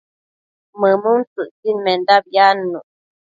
mëmuntsëcquidmendabi adnuc